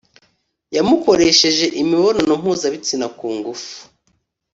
Yamukoresheje imibonano mpuzabitsina ku ngufu